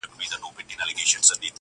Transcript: • عاشق معسوق ډېوه لمبه زاهد ايمان ساتي,